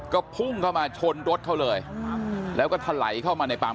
ก็พุ่งเข้ามาชนรถเขาเลยแล้วก็ถลายเข้ามาในปั๊ม